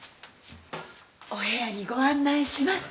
お部屋にご案内します。